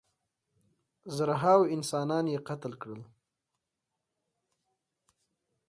زرهاوو انسانان یې قتل کړل.